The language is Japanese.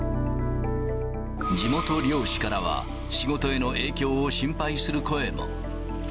地元漁師からは、仕事への影響を心配する声も。